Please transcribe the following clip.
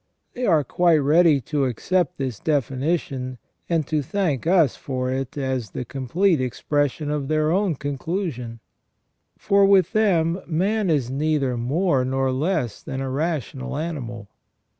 They are quite ready to accept this definition, and to thank us for it as the complete expression of their own conclusion ; for with them man is neither more nor less than a rational animal.